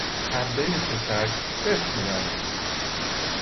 پنبهی تشک سفت شده است.